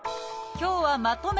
今日はまとめ